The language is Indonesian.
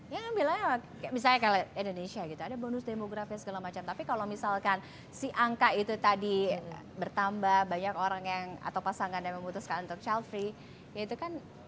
yang bilangnya misalnya kalau indonesia gitu ada bonus demografi segala macam tapi kalau misalkan si angka itu tadi bertambah banyak orang yang atau pasangan yang memutuskan untuk child free ya itu kan